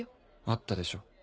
あったでしょ？